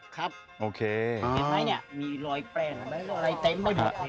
ครับอ๋อเห็นไหมนี่มีรอยแปรงมีรอยเต็มมีรอยหยุด